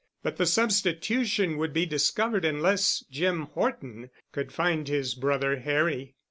But the substitution would be discovered unless Jim Horton could find his brother Harry.